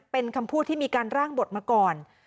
เป็นคำพูดที่มีการร่างบทมาก่อน